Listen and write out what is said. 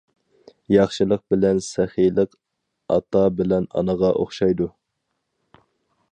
ياخشىلىق بىلەن سېخىيلىق ئاتا بىلەن ئانىغا ئوخشايدۇ.